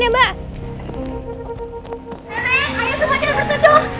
nenek ayo semua sekalian berteduh